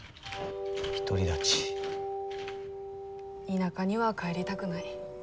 田舎には帰りたくない。